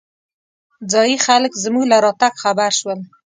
ځايي خلک زمونږ له راتګ خبر شول.